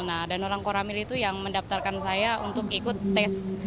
nah dan orang koramil itu yang mendaftarkan saya untuk ikut tes